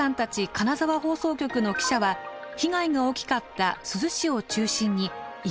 金沢放送局の記者は被害が大きかった珠洲市を中心に１か月間毎日取材。